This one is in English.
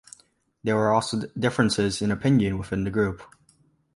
There were also differences in opinion within the group.